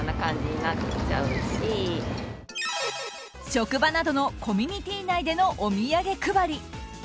職場などのコミュニティー内でお土産配り。